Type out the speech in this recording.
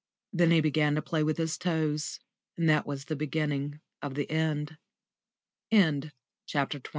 Then he began to play with his toes, and that was the beginning of the end. *CHAPTER XXIV.